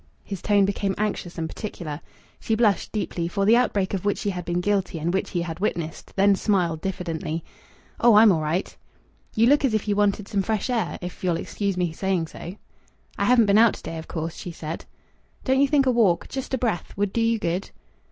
His tone became anxious and particular. She blushed deeply, for the outbreak of which she had been guilty and which he had witnessed, then smiled diffidently. "Oh, I'm all right." "You look as if you wanted some fresh air if you'll excuse me saying so." "I haven't been out to day, of course," she said. "Don't you think a walk just a breath would do you good!"